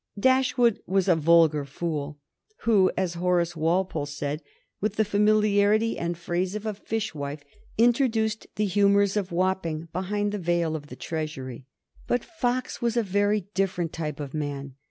Dashwood was a vulgar fool, who, as Horace Walpole said, with the familiarity and phrase of a fishwife, introduced the humors of Wapping behind the veil of the Treasury. But Fox was a very different type of man.